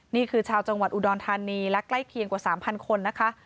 นี่คือชาวจังหวัดอุดรธานีและใกล้เคียงกว่า๓๐๐คนนะคะ